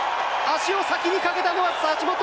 足を先にかけたのは橋本！